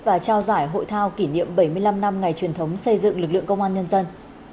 và trao giải hội thao kỷ niệm bảy mươi năm năm ngày truyền thống xây dựng lực lượng công an nhân dân